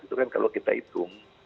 itu kan kalau kita hitung